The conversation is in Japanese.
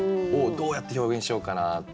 どうやって表現しようかなって。